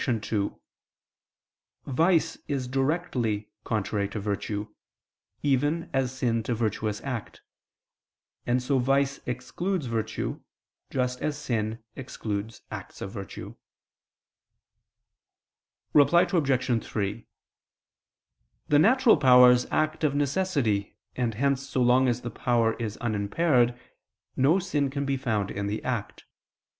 2: Vice is directly contrary to virtue, even as sin to virtuous act: and so vice excludes virtue, just as sin excludes acts of virtue. Reply Obj. 3: The natural powers act of necessity, and hence so long as the power is unimpaired, no sin can be found in the act.